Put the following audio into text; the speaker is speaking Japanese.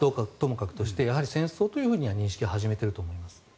言葉はともかくとして戦争というふうには認識し始めていると思います。